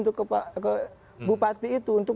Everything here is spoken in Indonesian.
ke bupati itu untuk